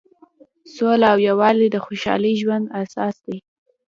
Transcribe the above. سوله او یووالی د خوشحاله ژوند اساس دی.